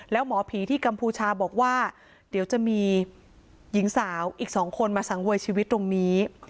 แล้วหมอผีที่กัมพูชาบอกว่าเดี๋ยวจะมีหญิงสาวอีก๒คนมาสังเวยชีวิตตรงนี้